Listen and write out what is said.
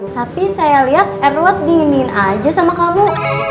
tapi saya lihat erlot dinginin aja sama kamu